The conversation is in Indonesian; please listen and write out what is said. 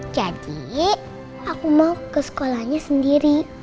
jadi aku mau ke sekolahnya sendiri